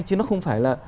chứ nó không phải là